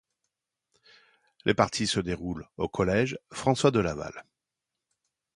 Les parties se déroulent au Collège François-de-Laval.